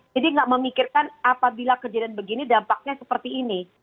jadi nggak memikirkan apabila kejadian begini dampaknya seperti ini